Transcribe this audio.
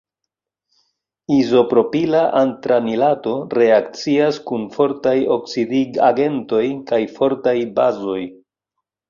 Izopropila antranilato reakcias kun fortaj oksidigagentoj kaj fortaj bazoj.